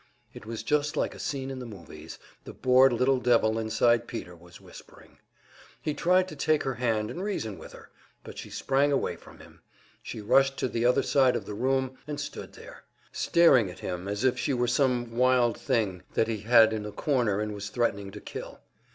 It was just like a scene in the movies, the bored little devil inside Peter was whispering. He tried to take her hand and reason with her, but she sprang away from him, she rushed to the other side of the room and stood there, staring at him as if she were some wild thing that he had in a corner and was threatening to kill.